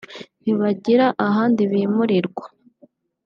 ntibagira ahandi bimurirwa